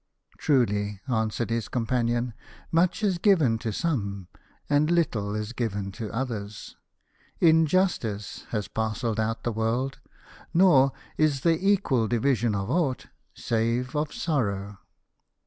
" Truly," answered his companion, " much is given to some, and little is given to others. Injustice has parcelled out the world, nor is there equal division of aught save of sorrow."